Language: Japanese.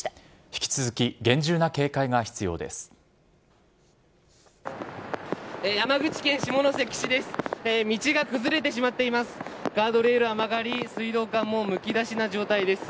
引き続き、厳重な警戒が必要です。